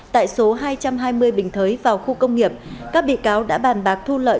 tại số hai trăm hai mươi bình thới vào khu công nghiệp các bị cáo đã bàn bạc thu lợi